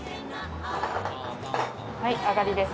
はいあがりです。